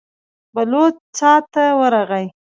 بلوڅ څا ته ورغی.